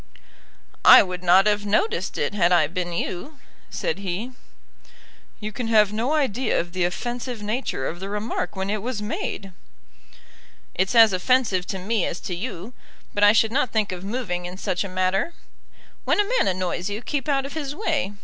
"I would not have noticed it, had I been you," said he. "You can have no idea of the offensive nature of the remark when it was made." "It's as offensive to me as to you, but I should not think of moving in such a matter. When a man annoys you, keep out of his way.